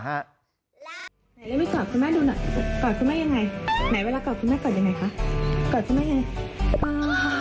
ไหนไหนไม่กอบคุณแม่ดูหน่อย